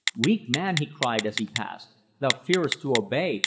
"'Weak man,' he cried, as he passed. 'Thou fearest to obey.